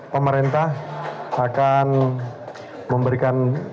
pemerintah akan memberikan